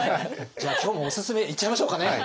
じゃあ今日もオススメいっちゃいましょうかね。